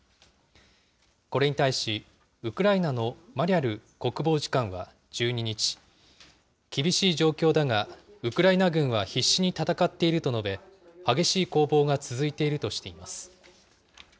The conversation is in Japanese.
これに対し、ウクライナのマリャル国防次官は１２日、厳しい状況だがウクライナ軍は必死に戦っていると述べ、激しい攻防が続いているとしています。